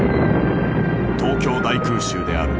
東京大空襲である。